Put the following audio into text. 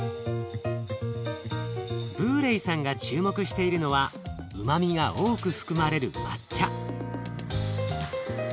ブーレイさんが注目しているのはうまみが多く含まれる抹茶。